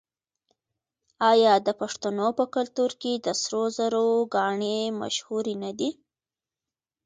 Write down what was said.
آیا د پښتنو په کلتور کې د سرو زرو ګاڼې مشهورې نه دي؟